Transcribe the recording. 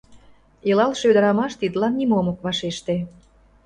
Илалше ӱдырамаш тидлан нимом ок вашеште.